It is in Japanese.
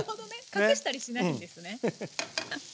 隠したりしないんですね。